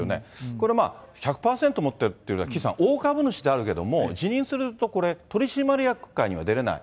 これ、１００％持ってるって、岸さん、大株主であるけれども、辞任するとこれ、取締役会には出れない。